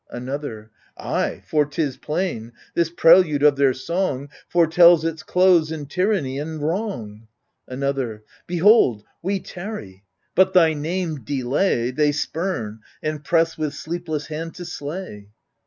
Another Ay, for 'tis plain, this prelude of their song Foretells its close in tyranny and wrong. Another Behold, we tarry — but thy name. Delay, They spurn, and press with sleepless hand to slay.